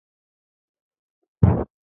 هغوی ښه ساتل کیږي.